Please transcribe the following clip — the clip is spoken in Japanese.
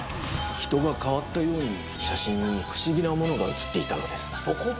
人が変わったように写真に不思議なものが写っていたのです。